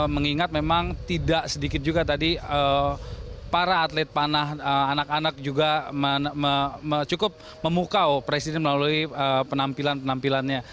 mengingat memang tidak sedikit juga tadi para atlet panah anak anak juga cukup memukau presiden melalui penampilan penampilannya